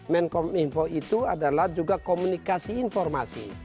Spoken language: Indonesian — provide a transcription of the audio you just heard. menkom info itu adalah juga komunikasi informasi